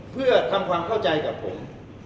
เพื่อทำความเข้าใจกับผม